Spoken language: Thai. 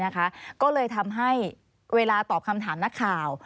ก็เลยทำให้เวลาตอบคำถามนักข่าว